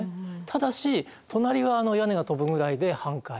ただし隣は屋根が飛ぶぐらいで半壊。